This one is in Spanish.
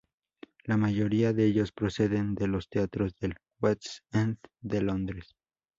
La mayoría de ellos proceden de los Teatros del West End de Londres.